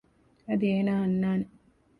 އަދި އޭނާ އަންނާނެ